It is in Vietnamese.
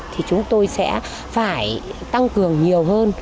thì chúng tôi sẽ phải tăng cường nhiều hơn